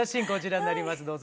こちらになります。